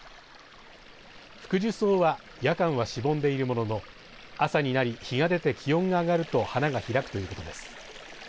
フクジュソウは夜間はしぼんでいるものの朝になり日が出て気温が上がると花が開くということです。